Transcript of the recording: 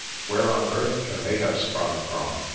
Where on earth can they have sprung from?